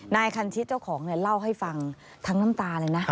นายคันชิดเจ้าของเนี่ยเล่าให้ฟังทั้งน้ำตาเลยนะ